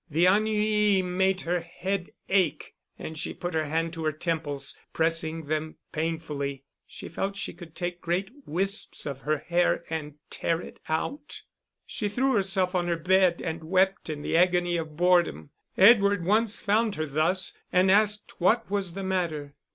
The ennui made her head ache, and she put her hand to her temples, pressing them painfully; she felt she could take great wisps of her hair and tear it out. She threw herself on her bed and wept in the agony of boredom. Edward once found her thus, and asked what was the matter.